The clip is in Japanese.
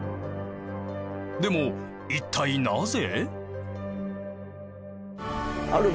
でも一体なぜ？